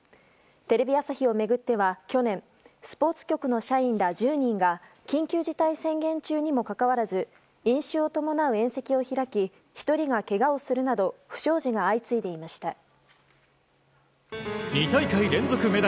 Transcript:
テレビ朝日を巡っては去年スポーツ局の社員ら１０人が緊急事態宣言中にもかかわらず飲酒を伴う宴席を開き１人がけがをするなど不祥事が相次いでいました。